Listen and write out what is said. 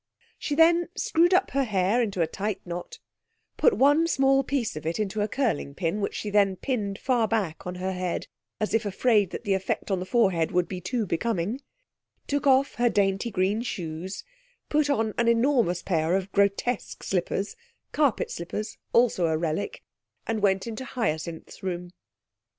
She then screwed up her hair into a tight knot, put one small piece of it into a curling pin, which she then pinned far back on her head (as if afraid that the effect on the forehead would be too becoming), took off her dainty green shoes, put on an enormous pair of grotesque slippers, carpet slippers (also a relic), and went into Hyacinth's room.